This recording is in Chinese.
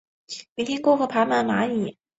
明天过后爬满蚂蚁